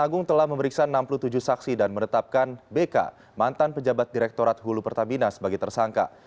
jaksa agung telah memeriksa enam puluh tujuh saksi dan menetapkan bk mantan pejabat direktorat hulu pertamina sebagai tersangka